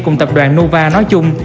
cùng tập đoàn nova nói chung